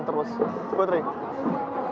atau tidak akan terpaksa